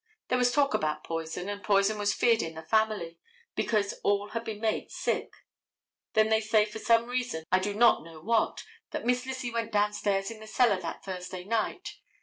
There was talk about poison, and poison was feared in the family, because all had been made sick. Then they say for some reason, I do not know what, that Miss Lizzie went downstairs in the cellar that Thursday night.